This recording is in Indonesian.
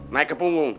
naik ke punggung